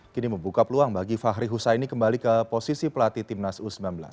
kini membuka peluang bagi fahri husaini kembali ke posisi pelatih timnas u sembilan belas